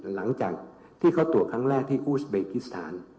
หลังจากที่เขาตรวจครั้งแรกที่อูสเบกิสถาน